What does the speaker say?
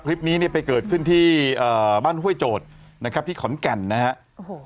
คลิปนี้ไปเกิดขึ้นที่บ้านห้วยโจทย์ที่ขอนแก่นนะครับ